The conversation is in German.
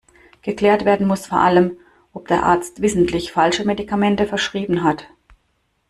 Geklärt werden muss vor allem, ob der Arzt wissentlich falsche Medikamente verschrieben hat.